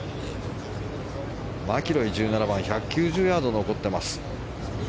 マキロイ、１７番１９０ヤード残っています。